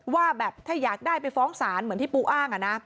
ว่าแบบถ้าอยากได้ไปฟ้องศาลเหมือนที่ปูอ้าง